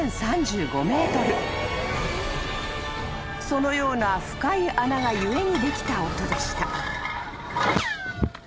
［そのような深い穴が故にできた音でした］